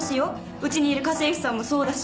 うちにいる家政婦さんもそうだし。